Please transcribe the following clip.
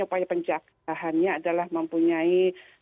upaya penjaga hanya adalah mempunyai